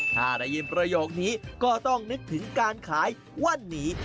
ถ้าได้ยินประโยคนี้ก็ต้องนึกถึงการขายวันนี้